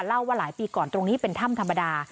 เล่าว่าหลายปีก่อนตรงนี้เป็นถ้ำธรรมดา